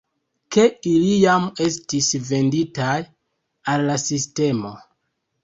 Ke ili jam estis "venditaj" al la sistemo.